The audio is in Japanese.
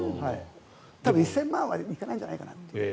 多分１０００万は行かないんじゃないかなと。